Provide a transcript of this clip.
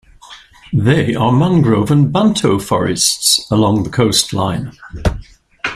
They are mangrove and banto forests along the coastline.